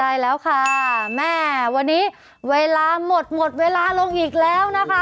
ได้แล้วค่าแม่วันนี้เวลาหมดลงอีกแล้วนะคะ